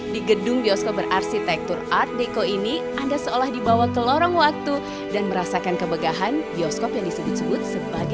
di gedung bioskop berarsitektur art deco ini anda seolah dibawa ke lorong waktu dan merasakan kebegahan bioskop yang disebut sebut sebagai